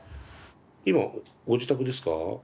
今ご自宅ですか？